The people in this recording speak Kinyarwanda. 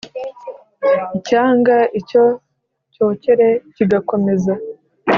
icyanga Icyo cyokere kigakomeza